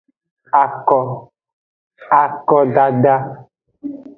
Ako, akodada.